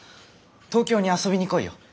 東京に遊びに来いよ。